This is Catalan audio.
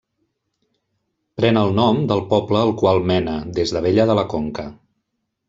Pren el nom del poble al qual mena, des d'Abella de la Conca.